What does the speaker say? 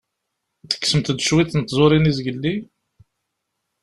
Tekksemt-d cwiṭ n tẓuṛin zgelli?